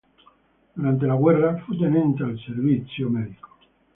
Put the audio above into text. Durante la guerra fu tenente al servizio medico.